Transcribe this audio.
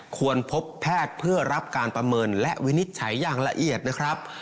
ควรพบแพทย์เพื่อรับการประเมินและวินิจฉัยอย่างละเอียดนะครับ